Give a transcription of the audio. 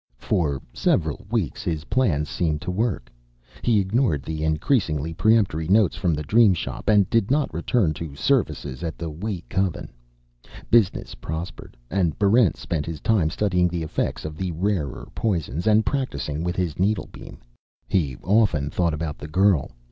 For several weeks his plan seemed to work. He ignored the increasingly peremptory notes from the Dream Shop and did not return to services at the Wee Coven. Business prospered, and Barrent spent his spare time studying the effects of the rarer poisons and practicing with his needlebeam. He often thought about the girl.